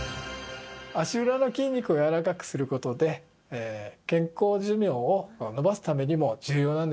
足裏の筋肉をやわらかくする事で健康寿命を延ばすためにも重要なんです。